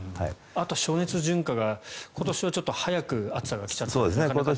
あと暑熱順化が今年は早く暑さが来ちゃったので。